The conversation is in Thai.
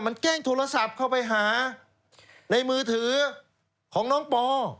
มันแกล้งโทรศัพท์เข้าไปหาในมือถือของน้องปอ